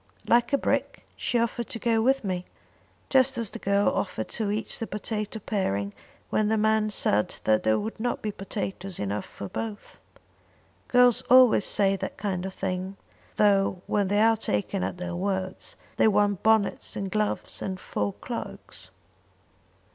"Like a brick, she offered to go with me, just as the girl offered to eat the potato parings when the man said that there would not be potatoes enough for both. Girls always say that kind of thing, though, when they are taken at their words, they want bonnets and gloves and fur cloaks."